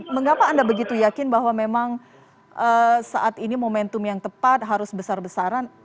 mengapa anda begitu yakin bahwa memang saat ini momentum yang tepat harus besar besaran